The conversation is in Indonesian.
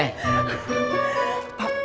ya boleh pak